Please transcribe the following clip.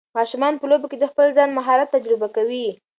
ماشومان په لوبو کې د خپل ځان مهارت تجربه کوي.